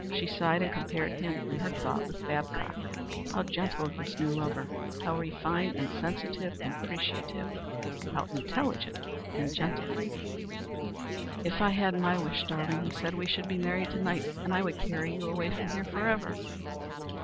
She sighed and compared him in her thought with Babcock. How gentle this new lover! How refined and sensitive and appreciative! How intelligent and gentlemanly! "If I had my wish, darling," he said, "we should be married to night and I would carry you away from here forever."